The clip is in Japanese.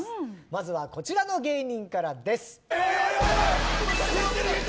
まずは、こちらの芸人からです。